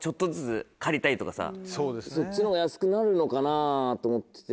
そっちの方が安くなんのかなと思ってて。